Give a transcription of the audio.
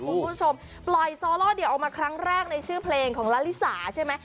คุณผู้ชมปล่อยซอล่อเดียวออกมาครั้งแรกในชื่อเพลงของลาลิสาใช่ไหม